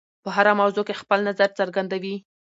په هره موضوع کې خپل نظر څرګندوي.